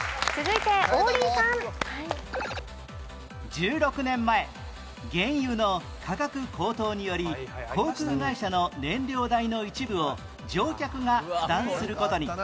１６年前原油の価格高騰により航空会社の燃料代の一部を乗客が負担する事に